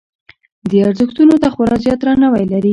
دې ارزښتونو ته خورا زیات درناوی لري.